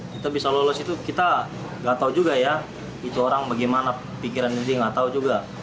kita bisa lolos itu kita gak tau juga ya itu orang bagaimana pikiran dia gak tau juga